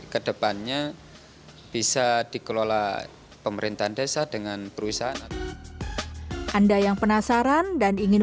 kedepannya bisa dikelola pemerintahan desa dengan perusahaan anda yang penasaran dan ingin